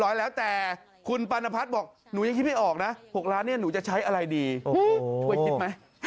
เจ้ากูก็คิดไหม